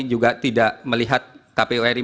juga tidak melihat kpu ri